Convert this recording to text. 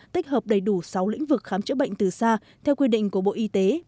tích hợp đầy đủ sáu lĩnh vực khám chữa bệnh từ xa theo quy định của bộ y tế